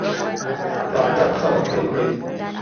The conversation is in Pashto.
په ادب خبرې وکړئ.